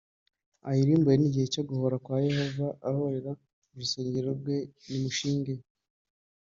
Ayirimbure ni igihe cyo guhora kwa yehova ahorera urusengero rwe nimushinge